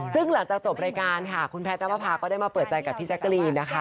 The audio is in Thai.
ซึ่งหลังจากจบรายการค่ะคุณแพทย์น้ำประพาก็ได้มาเปิดใจกับพี่แจ๊กรีนนะคะ